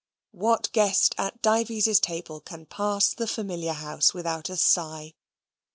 What guest at Dives's table can pass the familiar house without a sigh?